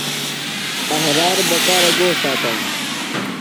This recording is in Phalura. احرار بکارہ گو ساتانوۡ؟